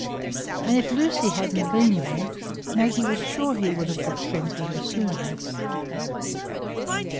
And if Lucy hadn't been there, Maggie was sure he would have got friends with her sooner.